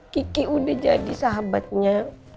gigi udah jadi sahabatnya